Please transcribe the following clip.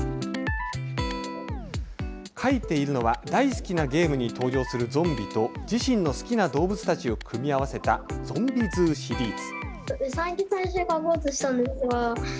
描いているのは、大好きなゲームに登場するゾンビと自身の好きな動物たちを組み合わせたＺｏｍｂｉｅＺｏｏシリーズ。